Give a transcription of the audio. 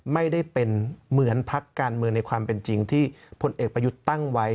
ไม่ได้เป็นเหมือนพักการเมืองในความเป็นจริงที่พลเอกประยุทธ์ตั้งไว้